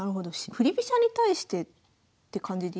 振り飛車に対してって感じでいいですか？